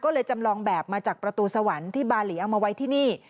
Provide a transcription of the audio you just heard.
ก็เลยจำลองแบบมาจากประตูสวรรค์ที่บาลีเอามาไว้ที่นี่